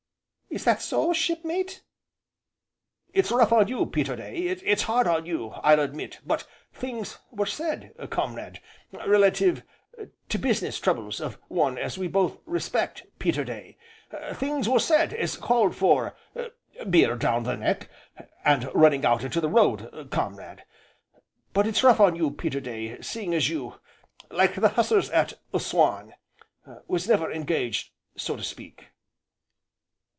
"Is that so, shipmate?" "It's rough on you, Peterday it's hard on you, I'll admit, but things were said, comrade relative to business troubles of one as we both respect, Peterday, things was said as called for beer down the neck, and running out into the road, comrade. But it's rough on you, Peterday seeing as you like the Hussars at Assuan was never engaged, so to speak."